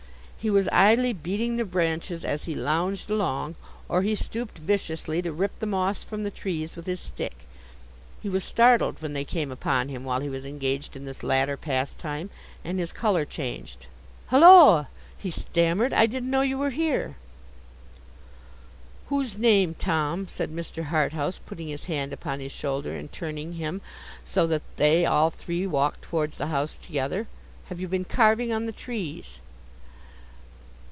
He was idly beating the branches as he lounged along: or he stooped viciously to rip the moss from the trees with his stick. He was startled when they came upon him while he was engaged in this latter pastime, and his colour changed. 'Halloa!' he stammered; 'I didn't know you were here.' 'Whose name, Tom,' said Mr. Harthouse, putting his hand upon his shoulder and turning him, so that they all three walked towards the house together, 'have you been carving on the trees?